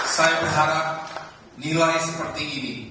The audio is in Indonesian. saya berharap nilai seperti ini